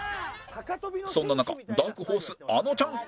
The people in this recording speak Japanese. そんな中ダークホースあのちゃん